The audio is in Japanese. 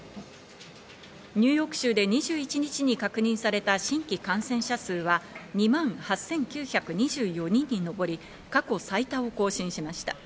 ニューヨーク州で２１日に確認された新規感染者数は、２万８９２４人にのぼり、過去最多を更新しました。